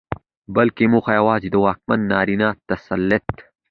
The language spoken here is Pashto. بلکې موخه يواځې د واکمن نارينه تسلط